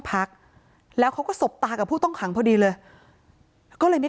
พักแล้วเขาก็สบตากับผู้ต้องขังพอดีเลยก็เลยไม่